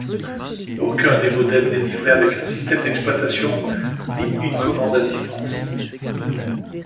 Aucun des modèles n'est livré avec un système d'exploitation ni une commande à distance.